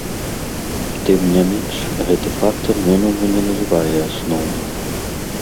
Тым не менш, гэты фактар ён ужо не называе асноўным.